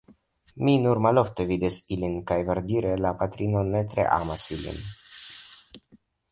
Mi nur malofte vidas ilin; kaj, verdire, la patrino ne tre amas ilin.